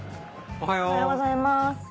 おはようございます。